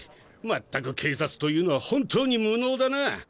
まったく警察というのは本当に無能だな。